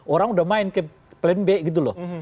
orang udah main ke plan b gitu loh